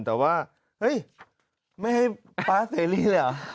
แต่ว่าไม่ให้ป๊าเซรี่เหรอ